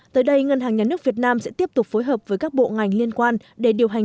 tới đây ngân hàng nhà nước việt nam sẽ tiếp tục phối hợp với các bộ ngành liên quan để điều hành